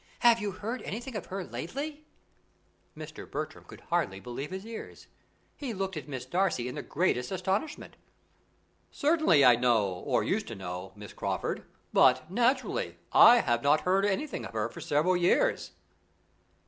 Have you heard anything of her lately?" Mr. Bertram could hardly believe his ears. He looked at Miss Darcy in the greatest astonishment. "Certainly I know, or used to know, Miss Crawford, but, naturally, I have not heard anything of her for several years."